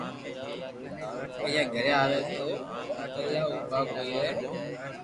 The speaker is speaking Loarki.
پئيا گھري آوي تو پييئا اوبا ڪوئي رھي